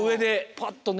パッとね。